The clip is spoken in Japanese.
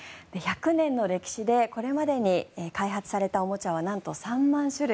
１００年の歴史でこれまでに開発されたおもちゃはなんと３万種類。